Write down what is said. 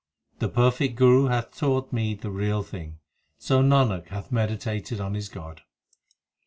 The perfect Guru hath taught me the real thing ; So Nanak hath meditated on his God.